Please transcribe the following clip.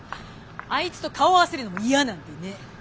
あいつと顔合わせるのも嫌なんでね。